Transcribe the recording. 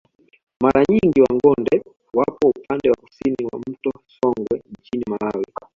Mara nyingi Wagonde wapo upande wa kusini wa mto Songwe nchini Malawi